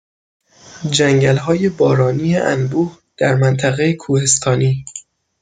جنگلهای بارانی انبوه در منطقه کوهستانی